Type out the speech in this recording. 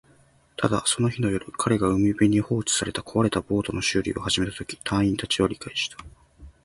ただ、その日の夜、彼が海辺に放置された壊れたボートの修理を始めたとき、隊員達は理解した